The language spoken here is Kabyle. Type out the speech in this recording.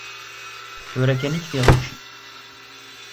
Tura kan i kfiɣ učči.